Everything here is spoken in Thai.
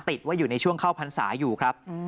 ติดว่าอยู่ในช่วงเข้าพรรษาอยู่ครับ